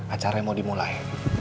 acaranya mau dimulai